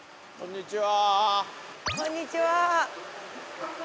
こんちは。